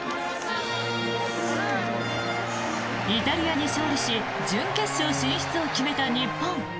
イタリアに勝利し準決勝進出を決めた日本。